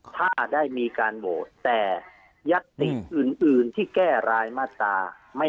ถ้าได้มีการโหวตแต่ยัตติอื่นที่แก้รายมาตรา